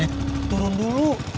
eh turun dulu